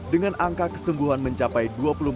dengan angka kesembuhan mencapai